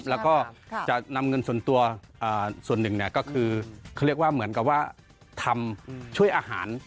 แล้วก็จะนำเงินส่วนตัวส่วนหนึ่งก็คือเขาเรียกว่าเหมือนกับว่าทำช่วยอาหาร